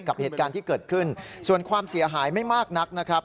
กับเหตุการณ์ที่เกิดขึ้นส่วนความเสียหายไม่มากนักนะครับ